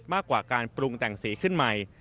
มากกว่าการปรุงแต่งสีขึ้นใหม่